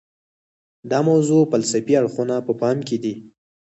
د موضوع فلسفي اړخونه په پام کې دي.